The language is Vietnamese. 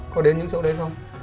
có đến những chỗ đấy không